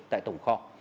tại tổng kho